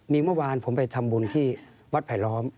มีเมื่อวานผมไปทำบุญที่วัดไผลล้อม